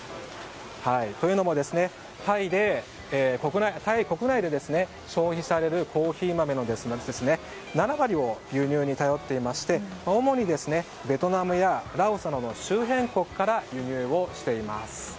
というのも、タイ国内で消費されるコーヒー豆の７割が輸入に頼っていまして主にベトナムやラオスなどの周辺国から輸入しています。